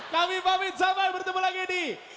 kami pamit sampai bertemu lagi di